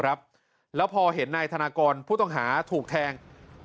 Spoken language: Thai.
แล้วพอเห็นนายธนากรผู้ต้องหาถูกแทง